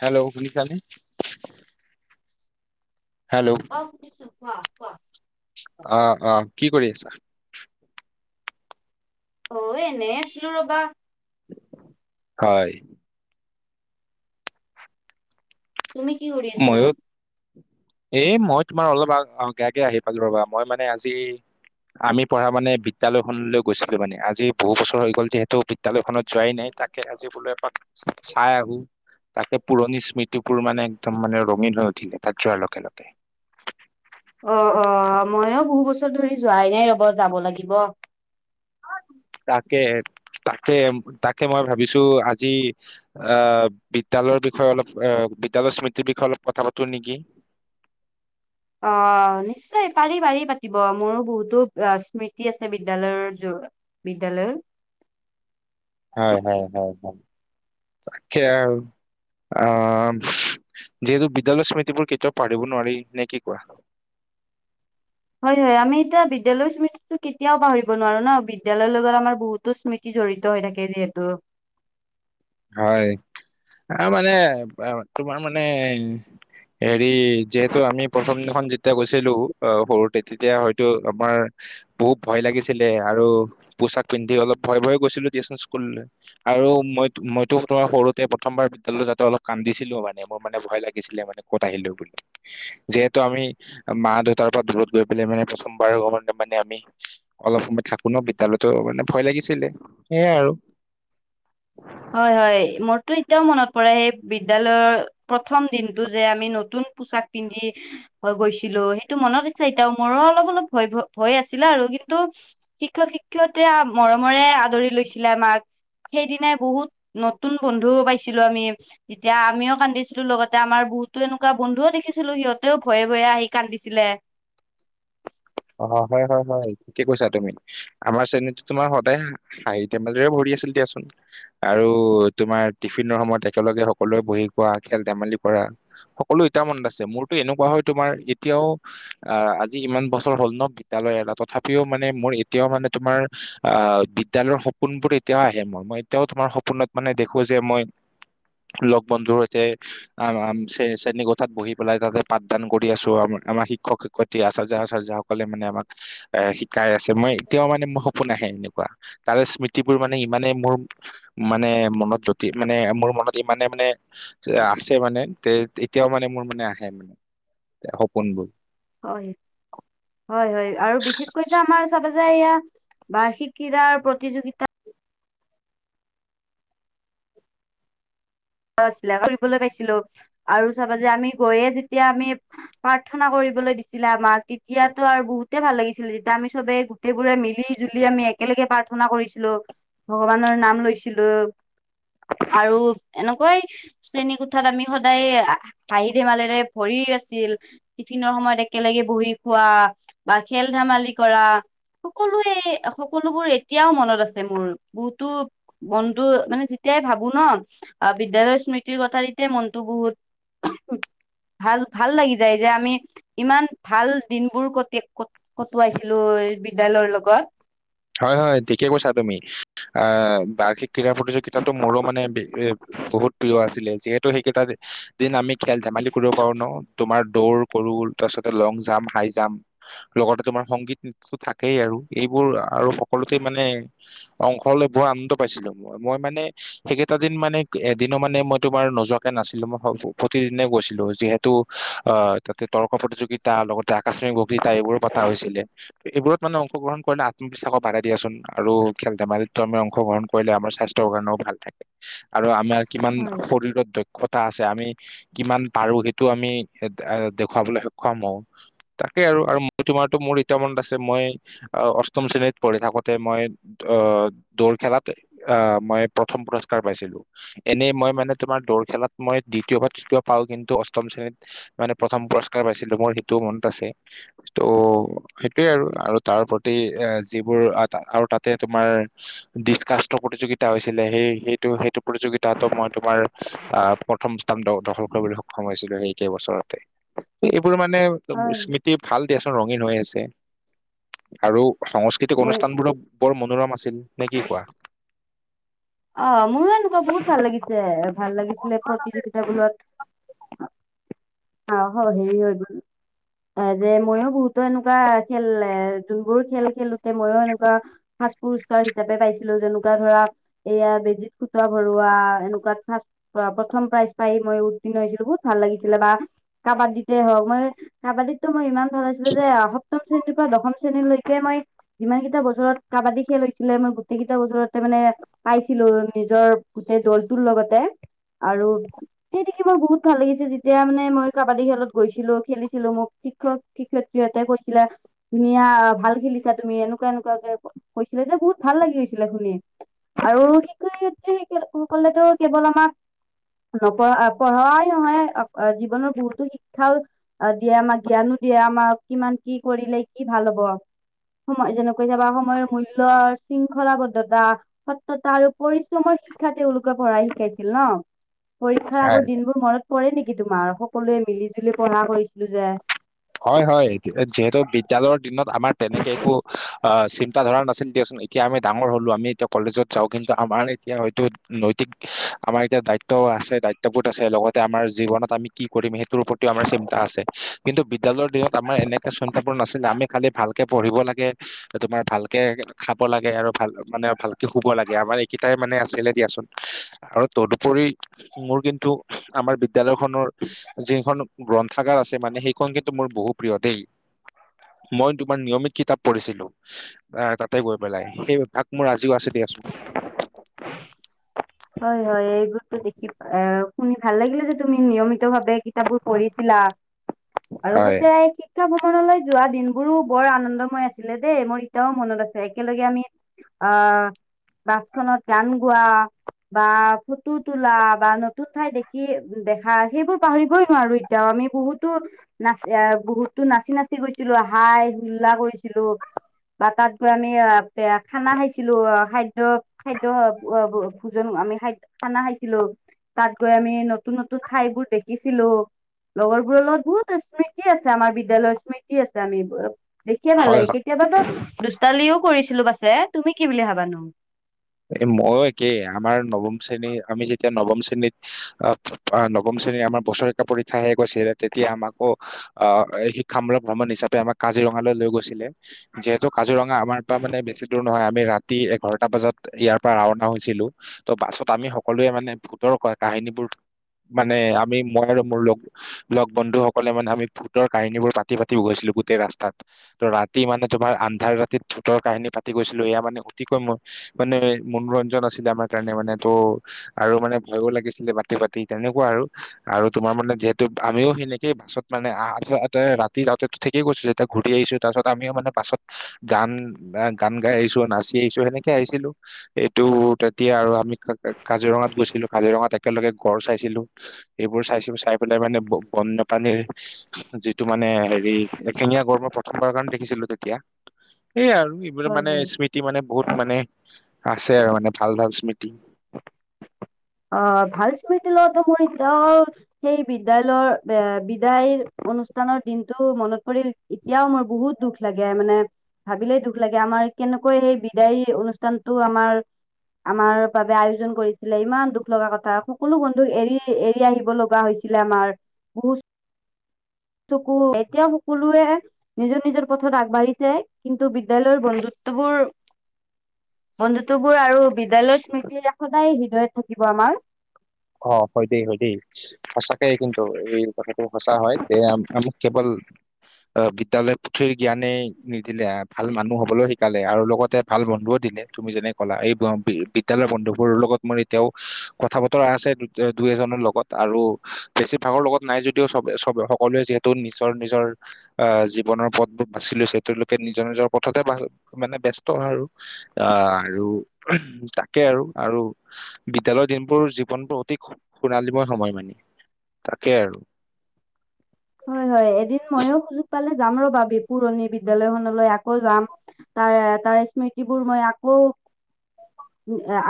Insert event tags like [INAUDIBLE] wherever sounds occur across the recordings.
Hello শুনিছানে? Hello. [INAUDIBLE] অহ অঁ, কি কৰি আছা? অ এনেই আছিলো ৰবা। হয়। তুমি কি কৰি আছা? ময়ো এ মই তোমাৰ অলপ আগে আগে আহি পালোঁ ৰবা, মই মানে আজি আমি পঢ়া মানে বি বিদ্যালয়খনলৈ গৈছিলোঁ মানে আজি বহু বছৰ হৈ গ'ল যিহেতু বিদ্যালয়খনত যোৱাই নাই। তাকে আজি বোলো এপাক চাই আহোঁ। তাতে পুৰণি স্মৃতিবোৰ মানে একদম মানে ৰঙীন হৈ উঠিলে তাত যোৱাৰ লগে লগে। অঁ অঁ' মইয়ো বহু বছৰ ধৰি যোৱাই নাই ৰব যাব লাগিব। তাকে, তাকে তাকে মই ভাবিছোঁ আজি আহ' বিদ্যালয় বিষয়ে অলপ অ বিদ্যালয় স্মৃতিৰ বিষয়ে অলপ কথা পাতোঁ নেকি। অ' নিশ্চয় পাৰি পাৰি পাতিব, মোৰো বহুতো স্মৃতি আছে বিদ্যালয়ৰ জো বিদ্যালয়ৰ। হয় হয় হয় হয় তাকে আৰু। আহ যিহেতু বিদ্যালয়ৰ স্মৃতিবোৰ কেতিয়াও পাহৰিব নোৱাৰি, নে কি কোৱা? হয় হয়, আমি এতিয়া বিদ্যালয়ৰ স্মৃতিটো কেতিয়াও পাহৰিব নোৱাৰো ন, বিদ্যালয় লগত আমাৰ বহুতো স্মৃতি তি জড়িত হৈ থাকে যিহেতু। হয়, আহ' মানে অ তোমাৰ মানে হেৰি, যিহেতু আমি প্ৰথমদিনাখন যেতিয়া গৈছিলোঁ সৰুতে, তেতিয়া হয়তো আমাৰ বহুত ভয় লাগিছিলে, আৰু পোছাক পিন্ধি অলপ ভয় ভয় গৈছিলোঁ দিয়াচোন স্কুললৈ। আৰু মই মইতো তোমাৰ সৰুতে প্ৰথমবাৰ বিদ্যালয়ত যাতে অলপ কান্দিছিলো মানে, মোৰ মানে ভয় লাগিছিলে মানে ক'ত আহিলো বুলি। যিহেতু আমি মা দেউতাৰ পৰা দূৰত গৈ পেলাই মানে প্ৰথমবাৰ মানে আমি অলপ সময় থাকো ন', বিদ্য়ালয়তো মানে ভয় লাগিছিলে সেয়াই আৰু। হয়, হয়, মোৰ টো এতিয়াও মনত পৰে সেই বিদ্যয়ালয়ৰ প্ৰথম দিনটো যে আমি নতুন পোচাক পিন্ধি হৈ গৈছিলোঁ। সেইটো মনত আছে এতয়াও মোৰো অলপ অলপ ভয় ভয় আছিলে আৰু কিন্তু শিক্ষক-শিক্ষয়ত্ৰীৰ মৰমৰে আদৰি লৈছিলে মাক সেইদিনাই বহুত নতুন বন্ধু পাইছিলোঁ আমি। তেতিয়া আমিও কান্দিছিলোঁ। লগতে আমাৰ বহুতো এনেকুৱা বন্ধুও দেখিছিলোঁ। সিহঁতেও ভয়ে ভয়ে আহি কান্দিছিলে। অ', হয়, হয়, হয়, ঠিকে কৈছা তুমি। আমাৰ শ্ৰেণীতো তোমাৰ সদায় হাঁহি ধেমালিৰে ভৰি আছিল দিয়াচোন। আৰু তোমাৰ টিফিনৰ সময়ত একেলগে সকলোৱে বহি খোৱা, খেল-ধেমালি কৰা। সকলো এতিয়াও মনত আছে। মোৰতো এনেকুৱা হয় তোমাৰ এতিয়াও আহ, আজি ইমান বছৰ হ'ল ন' বিদ্য়ালয় এৰা তথাপিও মানে মোৰ এতিয়াও মানে তোমাৰ আহ, বিদ্যালয়ৰ সপোনবোৰ এতিয়াও আহে, মোৰ মই এতিয়াও তোমাৰ সপোনত মানে দেখো যে মই ল'গ বন্ধুৰ সৈতে আ, শ্ৰেণীকোঠাত বহি পেলাই তাতে পাঠদান আছোঁ। আম-আমাৰ শিক্ষক-শিক্ষয়ত্ৰীৰ আচাৰ্য আচাৰ্জাসকলে মানে আমাক এ শিকাই আছে। মই এতিয়াও মানে মোৰ সপোন আহে এনেকুৱা। তাৰে স্মৃতিবোৰ মানে ইমানে মোৰ মানে মনত যদি মানে মোৰ মনত ইমানে মানে আছে মানে, তে এতিয়াও মানে মোৰ মানে আহে মানে সপোনবোৰ। হয়। হয়, হয়, আৰু বিশেষকৈ আমাৰ চাবা যে এয়া বাৰ্ষিক ক্ৰীড়াৰ প্ৰতিযোগিতা। আছিলে ফুৰিবলৈ পাইছিলোঁ আৰু চাবা যে আমি গৈয়ে যেতিয়া আমি প্ৰাৰ্থনা কৰিবলৈ দিছিলে আমাক তেতিয়াতো আৰু বহুতে ভাল লাগিছিলে, যেতিয়া আমি চবে গোটেই বোৰে মিলি মিলি জুলি আমি একেলগে পাৰ প্ৰাৰ্থনা কৰিছিলোঁ, ভগৱানৰ নাম লৈছিলো আৰু এনেকুৱাই শ্ৰেণী কোঠাত আমি সদায় হাঁহি ধেমালিৰে ভৰি আছিল। টিফিনৰ সময়ত একেলগে বহি খোৱা বা খেল ধেমালি কৰা। সকলোৱে সকলোবোৰ এতিয়াও মনত আছে মোৰ বহুতো মনটো মানে যেতিয়াই ভাবো ন' আহ, বিদ্যালয়ৰ স্মৃতিৰ কথা তেতিয়া মনটো বহুত ভাল ভাল লাগি যায় যে আমি ইমান ভাল দিনবোৰ ক-কটোৱাইছিলো বিদ্য়ালয়ৰ লগত। হয়, হয়, ঠিকে কৈছা তুমি আহ, বাৰ্ষিক ক্ৰীড়া প্ৰতিযোগিতাটো মোৰো মানে বহুত প্ৰিয় আছিলে যিহেতু, সেইকেইটা দিন আমি খেল ধেমালি কৰিব পাৰো ন' তোমাৰ দৌৰ কৰোঁ তাৰপিছতে লং জাম্প, হাই জাম্প। লগতে তোমাৰ সংগীত নৃত্যটো থাকেই আৰু এইবোৰ আৰু সকলোতে মানে অংশ লৈ বৰ আনন্দ পাইছিলো, মই মানে সেইকেইটা দিন মানে এদিনো মানে মই তোমাৰ নোযোৱাকে নাছিলো, মই প্ৰতিদিনে গৈছিলো যিহেতু অ', তাতে তৰ্ক প্ৰতিযোগিতা তা লগতে আকস্মিক বক্তিতা এইবোৰো পতা হৈছিলে এইবোৰত মানে অংশগ্ৰহণ কৰিলে বিশ্বাসো বাঢ়ে দিয়াচোন আৰু খেল ধেমালিতো আমি অংশগ্ৰহণ কৰিলে আমাৰ স্বাস্থ্যৰ কাৰণেও ভাল থাকে। আৰু আমাৰ কিমান হয় শৰীৰত দক্ষ কথা আছে, আমি কিমান পাৰো সেইটো আমি দেখুৱাবলৈ সক্ষম হওঁ। তাকেই আৰু, আৰু মোৰ তোমাৰতো মোৰ এতিয়াও মনত আছে মই, অষ্টম শ্ৰেণীত পঢ়ি থাকোতে মই অ', দৌৰ খেলাত অ', মই প্ৰথম পুৰস্কাৰ পাইছিলো। এনেই মই মানে তোমাৰ দৌৰ খেলাত, মই দ্বিতীয় বা তৃতীয় পাওঁ, কিন্তু অষ্টম শ্ৰেণীত মানে প্ৰথম পুৰস্কাৰ পাইছিলো, মোৰ সেইটোও মনত আছে। ত' সেইটোয়ে আৰু। আৰু তাৰ প্ৰতি এ, যিবোৰ আৰু তাতে তোমাৰ দিছকাচ থ্ৰ প্ৰতিযোগিতা হৈছিলে, সেই, সেইটো, সেইটো প্ৰতিযোগিতাতো মই তোমাৰ অ', প্ৰথম স্থান দ-দখল কৰিবলৈ সক্ষম হৈছিলো সেই একেবছৰতে। এইবোৰ মানে হয়। স্মৃতি ভাল দিয়াচোন ৰঙীন হৈ আছে। আৰু সংস্কৃতিক মই অনুষ্ঠান বোৰো বৰ মনোৰম আছিল, নে কি কোৱা? অ', মোৰো এনেকুৱা বহুত ভাল লাগিছে, ভাল লাগিছিলে প্ৰতিযোগিতাবোৰত অ', হ, হি, হৈ গল। এ, যে, ময়ো বহুতো এনেকুৱা খেল এ, যোনবোৰ খেল খেলোতে মইও এনেকুৱা ফাৰ্ষ্ট পুৰোস্কাৰ হিচাপে পাইছিলো যেনেকুৱা ধৰা এয়া বেজীত সুতা ভৰুৱা, এনেকুৱাত ফাষ্ট প্ৰথম প্ৰাইজ পাই মই উত্তীৰ্ণ হৈছিলো, বহুত ভাল লাগিছিলে বা কাবাডীতে হওঁক, মই কাবাডীতটো মই ইমান দৌৰাইছিলো যে সপ্তম শ্ৰেণীৰ পৰা দশম শ্ৰে শ্ৰেণীলৈকে মই যিমান কেইটা বছৰত কাবাডী খেল হৈছিলে, মই গোটেই কেইটা বছৰতে মানে পাইছিলো, নিজৰ গোটেই দলটোৰ লগতে, আৰু সেই দেখি মোৰ বহুত ভাল লাগিছে যেতিয়া মানে মই কাবাডী খেলত গৈছিলো, খেলিছিলো মোক শিক্ষক, শিক্ষয়ত্ৰীহঁতে কৈছিলে ধুনীয়া ভাল খেলিছা তুমি এনেকুৱা এনেকুৱাকে কৈছিলে যে বহুত ভাল লাগি গৈছিলে শুনি। আৰু শিক্ষক শিক্ষয়িত্ৰী সকলেটো কেৱল আমাক নপঢ়া, পঢ়ুৱাই নহয় জীৱনৰ বহুতো শিক্ষাও দিয়ে, আমাক জ্ঞানো দিয়ে, আমাক কিমান কি কৰিলে কি ভাল হব? সময় যেনেকৈ চাবা সময়ৰ মূল্য শৃংখলাবদ্ধতা সত্যতা আৰু পৰিশ্ৰমৰ শিক্ষা তেওঁলোকে পঢ়াই শিকাইছিল ন? পৰীক্ষাৰ আগৰ দিনবোৰ মনত পৰে নিকি তোমাৰ, সকলোৱে মিলি জুলি পঢ়া কৰিছিলো যে? হয়, হয়। যিহেতু বিদ্যয়ালয়ৰ দিনত আমাৰ তেনেকে একো অ', চিন্তাধাৰা নাছিল দিয়াচোন। এতিয়া আমি ডাঙৰ হ'লোঁ আমি এতিয়া কলেজত যাওঁ কিন্তু আমাৰ এতিয়া হয়তো নৈতিক আমাৰ এতিয়া দায়িত্ব আছে, দায়িত্ববোধ আছে, লগতে আমাৰ জীৱনত আমি কি কৰিম সেইটোৰ প্ৰতিও আমাৰ চিন্তা আছে। কিন্তু বিদ্যয়ালয়ৰ দিনত আমাৰ এনেকে চিন্তাবোৰ নাছিলে, আমি খালি ভালকে পঢ়িব লাগে। তোমাৰ ভালকে খাব লাগে, আৰু ভাল মানে ভালকে শুব লাগে, আমাৰ এইকেইটাই মানে আছিলে দিয়াচোন। আৰু তদুপৰি মোৰ কিন্তু আমাৰ বিদ্যয়ালয় খনৰ যিখন গ্ৰন্থাগাৰ আছে মানে সেইখন কিন্তু মোৰ বহু প্ৰিয় দেই। মই তোমাৰ নিয়মিত কিতাপ পঢ়িছিলো। অ', তাতে গৈ পেলাই। সেই অভ্যাক মোৰ আজিও আছে দিয়াচোন। হয়, হয়। এইবোৰতো দেখি, শুনি ভাল লাগিলে যে তুমি নিয়মিত ভাৱে কিতাপবোৰ পঢ়িছিলা। আৰু [UNINTELLIGIBLE] কি হয় সীতা ভ্ৰমনলৈ যোৱা দিনবোৰো বৰ আনন্দময় আছিলে দেই, মোৰ ইতয়াও মনত আছে একেলগে আমি অ', বাছখনত গান গোৱা বা ফটো তোলা, বা নতুন ঠাই দেখি দেখা, সেইবোৰ পাহৰিবই নোৱাৰো এত তিয়া আমি বহুতো নাচ, বহুতো নাচি নাচি গৈছিলো, হাই হুল্লা কৰিছিলো। বা তাত গৈ আমি অহ খানা খাইছিলো। খাদ্য, খাদ্য ভোজন আমি খাইদ খানা খাইছিলো। তাত গৈ আমি নতুন নতুন ঠাইবোৰ দেখিছিলো। লগৰবোৰৰ লগত বহুতো স্মৃতি আছে আমাৰ বিদ্যালয়ৰ স্মৃতি আছে। আমি এইবোৰত দেখিয়ে ভাল হয় লাগে। কেতিয়াবাটো দুষ্টালিও কৰিছিলো পাছে। তুমি কি বুলি ভাবা নো? এ ময়ো একেই। আমাৰ নৱম শ্ৰেণীৰ, আমি যেতিয়া নৱম শ্ৰেণীত আহ নৱম শ্ৰেণীৰ আমাৰ বছৰেকীয়া পৰীক্ষা শেষ হৈছিলে। তেতিয়া আমাকো আহ শিক্ষা মূলক ভ্ৰমণ হিচাপে আমাক কাজিৰঙালৈ লৈ গৈছিলে। যিহেতু কাজিৰঙা আমাৰ পৰা মানে বেছি দূৰ নহয়। আমি ৰাতি এঘাৰটা বজাত ইয়াৰ পৰা ৰাওনা হৈছিলো। ত' বাছত আমি সকলোৱে মানে ভূতৰ কাহিনীবোৰ মানে আমি মই আৰু মোৰ লগ লগ বন্ধুসকলে মানে আমি ভূতৰ কাহিনীবোৰ পাতি পাতি গৈছিলো গোটেই ৰাস্তাত। ত' ৰাতি মানে তোমাৰ আন্ধাৰ ৰাতিত ভূতৰ কাহিনী পাতি গৈছিলো। এয়া মানে অতিকৈ মোৰ মানে মনোৰঞ্জন আছিল আমাৰ কাৰণে। মানে ত' আৰু মানে ভয়ো লাগিছিলে পাতি পাতি। তেনেকুৱা আৰু। আৰু তোমাৰ মানে যিহেতু আমিও সেনেকেই বাছত মানে ৰাতি যাওঁতে ঠিকেই গৈছো। যেতিয়া ঘূৰি আহিছো, তাৰপাছত আমিও মানে পাছত গান গান গাই আহিছো, নাচি আহিছো। সেনেকে আহিছিলো। এইটো তেতিয়া আৰু আমি কাজিৰঙাত গৈছিলোঁ। কাজিৰঙাত একেলগে গড় চাইছিলোঁ। এইবোৰ চাইছো, চাই পেলাই মানে বন্যপ্ৰাণীৰ যিটো মানে হেৰি একশিঙীয়া গড় মই প্ৰথমবাৰৰ কাৰণে দেখিছিলো তেতিয়া। এইয় আৰু এইবোৰ হয় মানে হয় স্মৃতি মানে বহুত মানে আছে আৰু মানে ভাল ভাল স্মৃতি। অ' ভাল স্মৃতি লগত মোৰ এতিয়াও সেই বিদ্যয়ালয়ৰ এ বিদায়ৰ অনুষ্ঠানৰ দিনটো মনত পৰিল এতিয়াও মোৰ বহুত দুখ লাগে। মানে ভাবিলেই দুখ লাগে আমাৰ কেনেকৈ সেই বিদায় অনুষ্ঠানতটো আমাৰ আমাৰ বাবে আয়োজন কৰিছিলে। ইমান দুখ লগা কথা সকলো বন্ধুক এৰি এৰি আহিব লগা হৈছিলে আমাৰ। বহুত চকু এতিয়া সকলোৱে নিজৰ নিজৰ পথত আগবাঢ়িছে। কিন্তু, বিদ্যালয়ৰ বন্ধুত্ববোৰ বন্ধুত্ববোৰ আৰু বিদ্যালয়ৰ স্মৃতি সদায় হৃদয়ত থাকিব আমাৰ। অ' হয় দেই, হয় দেই। সঁচাকেই কিন্তু এই কথাটো সঁচা হয় যে আমাক কেৱল অ' বিদ্যালয় পুথিৰ জ্ঞানেই নিদিলে, ভাল মানুহ হবলৈও শিকালে আৰু লগতে ভাল বন্ধুও দিলে তুমি যেনে ক'লা। এই বিদ্যালয়ৰ বন্ধুবোৰৰ লগত মই এতিয়াও কথা আছে দুই এজনৰ লগত আৰু বেছিভাগৰ লগত নাই যদিও চবে চব সকলোৱে যিহেতু টো নিজৰ নিজৰ আহ জীৱনৰ পথবোৰ বাছি লৈছে তেওঁলোকে নিজৰ নিজৰ পথতে মানে ব্যস্ত আৰু। আহ আৰু তাকে আৰু আৰু বিদ্যালয় দিনবোৰ যি জীবনটো অতি সোণালীময় সময় মানে। তাকে আৰু হয়, হয়। এদিন ময়ো সুযোগ পালে যাম ৰ'বা পুৰণি বিদ্যালয়খনলৈ। আকৌ যাম। তাৰে তাৰ স্মৃতিবোৰ মই আকৌ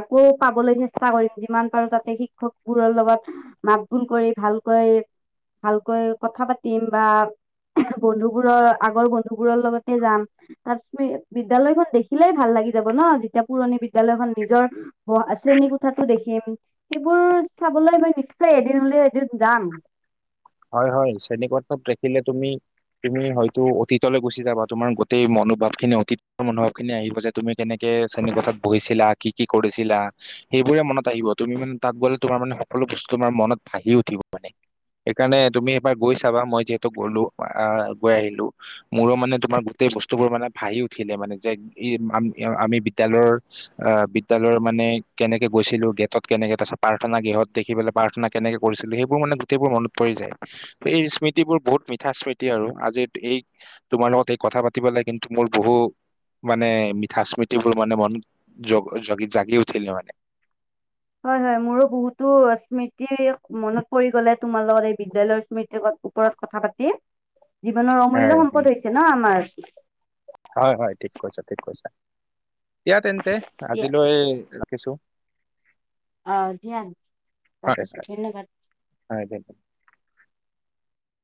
আকৌ পাবলৈ চেষ্টা কৰিম। যিমান পাৰো তাতে শিক্ষকবোৰৰ লগত মাত বোল কৰি ভালকৈ ভালকৈ কথা পাতিম। বা বন্ধু বোৰৰ আগৰ বন্ধু বোৰৰ লগতে যাম। তাত বিদ্যালয়খন দেখিলেই ভাল লাগি যাব ন। যেতিয়া পুৰণি বিদ্যাযলয়খন নিজৰ পঢ়া শ্ৰেণী কোঠাতো দেখিম সেইবোৰ চাবলৈ মই নিশ্চয় এদিন হ'লেও এদিন যাম হয় হয় শ্ৰেণীক কোঠাটো দেখিলে তুমি তুমি হয়তো অতীতলৈ গুচি যাবা তোমাৰ গোটেই মনোভাৱ খিনি অতীতৰ মনোভাৱ খিনি আহিব যে তুমি কেনেকে শ্ৰেণীৰ কোঠাত বহিছিলা কি কি কৰিছিলা সেইবোৰে মনত আহিব তুমি মানে তাত গলে তোমাৰ সকলো বস্তু তোমাৰ মনত ভাহি উঠিব মানে সেইকাৰণে তুমি এবাৰ গৈ চাবা মই যিহেতু গলো আহ গৈ আহিলো মোৰো মানে তোমাৰ গোটেই বস্তুবোৰ মানে ভাহি উঠিলে মানে যে ই আমি বিদ্যালয়ৰ আহ বিদ্যালয়ৰ মানে কেনেকে গৈছিলো গেটত কেনেকে তাৰপিছত প্ৰাৰ্থনা গৃহত দেখি পেলাই প্ৰাৰ্থনা কেনেকে কৰিছিলোঁ সেইবোৰ মানে গোটেইবোৰ মনত পৰি যায় এই স্মৃতিবোৰ বহুত মিঠা স্মৃতি আৰু আজি এই তোমাৰ লগত এই কথা পাতি পেলাই কিন্তু মোৰ বহু মানে মিঠা স্মৃতিবোৰ মানে মন জগ জা জাগি উঠিলে মানে হয় হয় মোৰো বহুতো স্মৃতি মনত পৰি গলে তোমাৰ লগত এই বিদ্যালয় স্মৃতিৰ ওপৰত কথা পাতি [UNINTELLIGIBLE] জীৱনৰ হয় অমূল্য হয় সম্পদ হৈছে ন আমাৰ হয় হয় ঠিক কৈছা ঠিক কৈছা দিয়া তেন্তে দিয়া আজিলৈ ৰাখিছো অ দিয়া ৰাখিছোঁ ধন্যবাদ [UNINTELLIGIBLE]